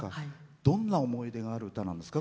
どんな思い出がある歌なんですか？